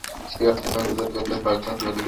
She was named for Charles Vernon Gridley.